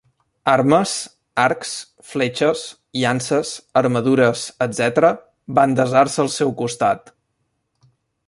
Armes - arcs, fletxes, llances, armadures, etc - van desar-se al seu costat.